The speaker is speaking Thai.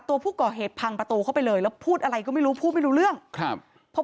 ตัวผู้ก่อเหตุพังประตูเข้าไปเลยแล้วพูดอะไรก็ไม่รู้พูดไม่รู้เรื่องครับพอ